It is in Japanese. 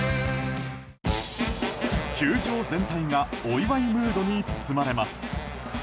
球場全体がお祝いムードに包まれます。